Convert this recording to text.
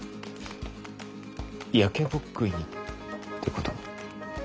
焼けぼっくいにってことも？